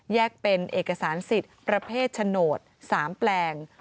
เป็นเอกสารสิทธิ์ประเภทโฉนด๓แปลง